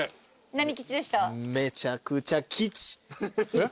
えっ？